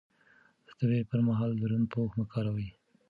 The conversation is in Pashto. د تبه پر مهال دروند پوښ مه کاروئ.